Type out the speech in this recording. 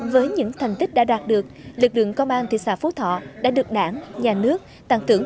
với những thành tích đã đạt được lực lượng công an thị xã phú thọ đã được đảng nhà nước tặng thưởng